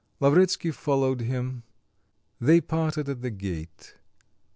Lavretsky followed him. They parted at the gate.